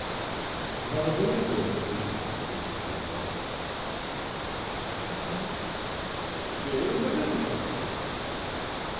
"You have a visitor, you see," said Monsieur Defarge. "What did you say?" "Here is a visitor."